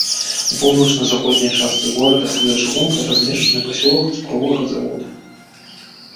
У паўночна-заходняй частцы горада за чыгункай размешчаны пасёлак цукровага завода.